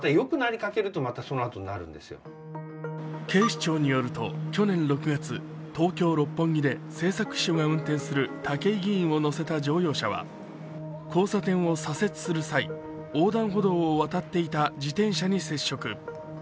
警視庁によると去年６月、東京六本木で政策秘書が運転する武井議員を乗せた乗用車は交差点を左折する際、横断歩道を渡っていた自転車に接触。